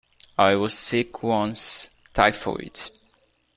I was sick once -- typhoid.